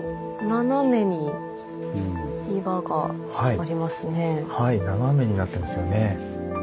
ああはい斜めになってますよね。